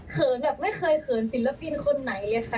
แบบไม่เคยเขินศิลปินคนไหนเลยค่ะ